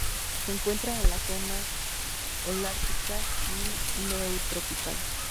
Se encuentra en la zona holártica y neotropical.